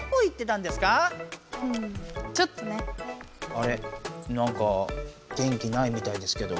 あれなんか元気ないみたいですけど。